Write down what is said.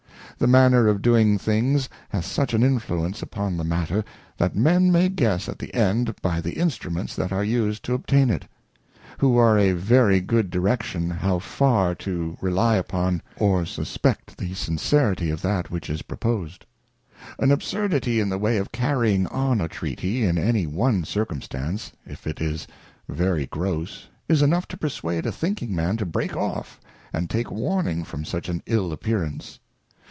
The manner of doing things hath such an influence upon the matter, that Men may guess at the end by the instruments that are used to obtain it, who are a very good direction how far to rely upon or suspect the sincerity of that which is proposed. An Absurdity in the way of carrying on a Treaty, in any one Circumstance, if it is very gross, is enough to perswade a thinking Man to break off, and take warning from such an ill appearance.